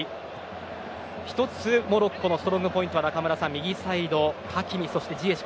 モロッコのストロングポイントは右サイド、ハキミ、ジエシュ